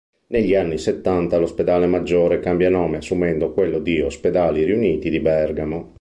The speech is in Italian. Negli anni settanta l'Ospedale Maggiore cambia nome assumendo quello di "Ospedali Riuniti di Bergamo".